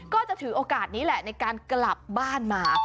ก็จะถือโอกาสนี้แหละในการกลับบ้านมา